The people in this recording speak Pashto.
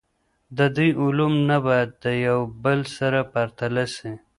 د دوی علوم نه باید د یو بل سره پرتله سي.